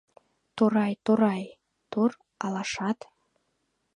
Торай-торай тор алашат